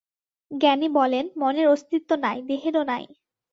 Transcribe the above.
জ্ঞানী বলেন, মনের অস্তিত্ব নাই, দেহেরও নাই।